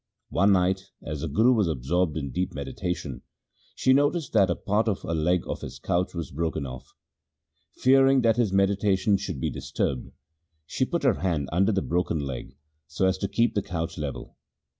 One night, as the Guru was absorbed in deep meditation, she noticed that a part of one leg of his couch was broken off. Fearing that his meditation should be disturbed, she put her hand under the broken leg so as to keep the couch level.